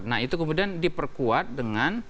nah itu kemudian diperkuat dengan